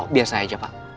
biasa aja pak